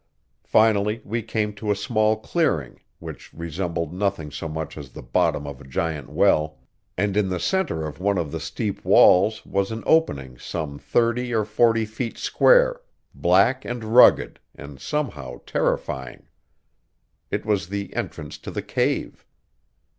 Finally we came to a small clearing, which resembled nothing so much as the bottom of a giant well, and in the center of one of the steep walls was an opening some thirty or forty feet square, black and rugged, and somehow terrifying. It was the entrance to the cave.